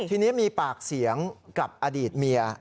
ทีนี้มีปากเสียงกับอดีตเมีย